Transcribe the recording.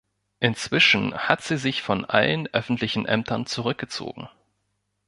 Inzwischen hat sie sich von allen öffentlichen Ämtern zurückgezogen.